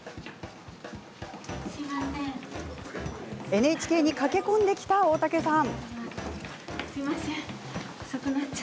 ＮＨＫに駆け込んできた大竹さん。